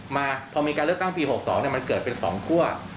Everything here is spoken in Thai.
มาพอมีการเลือกตั้งปีหกสองเนี้ยมันเกิดเป็นสองคั่วค่ะ